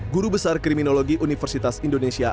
guru besar kriminologi universitas indonesia